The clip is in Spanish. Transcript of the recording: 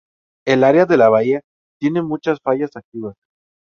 El Área de la Bahía tiene muchas fallas activas.